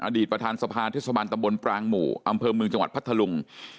ประธานสภาเทศบาลตำบลปรางหมู่อำเภอเมืองจังหวัดพัทธลุง